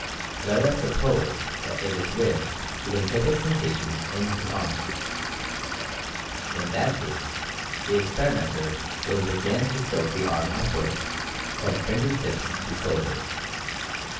Let us suppose that it is wished to inhibit sensation in his arm. In that case the experimenter will begin to stroke the arm upward, from finger tips to shoulder.